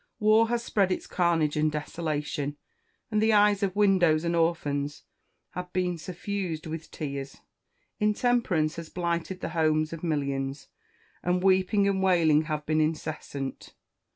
War has spread its carnage and desolation, and the eyes of widows and orphans have been suffused with tears! Intemperance has blighted the homes of millions, and weeping and wailing have been incessant!